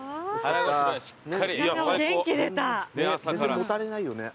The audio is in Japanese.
全然もたれないよね。